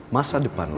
masa depan lo